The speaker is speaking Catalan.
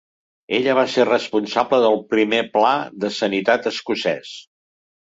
Ella va ser responsable del primer Pla de Sanitat Escocès.